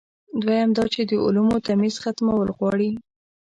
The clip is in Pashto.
دویم دا چې د علومو تمیز ختمول غواړي.